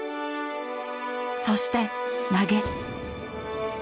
そして投げ。